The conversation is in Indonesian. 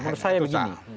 menurut saya begini